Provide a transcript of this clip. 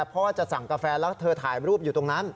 เพราะว่าจะสั่งกาแฟแล้วเธอถ่ายรูปอยู่ตรงนั้น